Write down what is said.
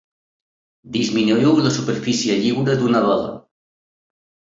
Disminuïu la superfície lliure d'una vela.